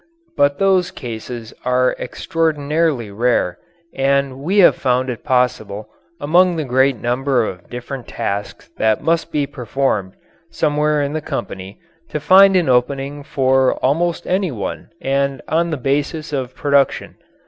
But those cases are extraordinarily rare, and we have found it possible, among the great number of different tasks that must be performed somewhere in the company, to find an opening for almost any one and on the basis of production.